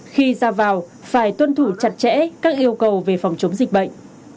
khi ra vào phải tuân thủ chặt chẽ các yêu cầu về phòng chống dịch bệnh